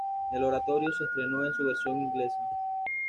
El oratorio se estrenó en su versión inglesa.